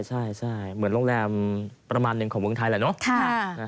ใช่เหมือนโรงแรมประมาณหนึ่งของเมืองไทยแหละเนอะ